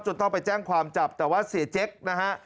ต้องไปแจ้งความจับแต่ว่าเสียเจ๊กนะฮะ